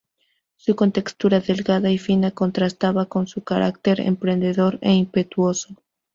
Su contextura delgada y fina contrastaba con su carácter emprendedor e impetuoso.